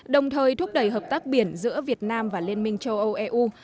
đồng thời thúc đẩy hợp tác biển giữa việt nam và liên minh châu âu eu